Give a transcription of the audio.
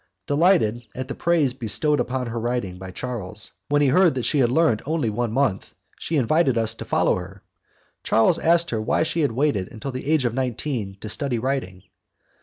Delighted at the praise bestowed upon her writing by Charles, when he heard that she had learned only one month, she invited us to follow her. Charles asked her why she had waited until the age of nineteen to study writing.